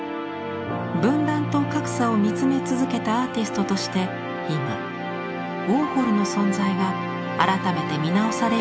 「分断」と「格差」を見つめ続けたアーティストとして今ウォーホルの存在が改めて見直されようとしています。